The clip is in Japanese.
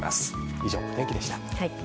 以上、お天気でした。